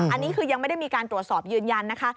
อันนี้คือยังไม่ได้มีการตรวจสอบยืนยันนะคะ